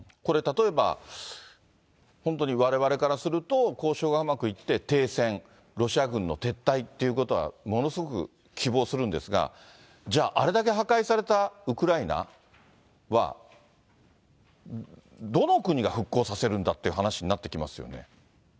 例えば、本当にわれわれからすると、交渉がうまくいって停戦、ロシア軍の撤退ということはものすごく希望するんですが、じゃあ、あれだけ破壊されたウクライナは、どの国が復興させるんだっていう話になってきますよね。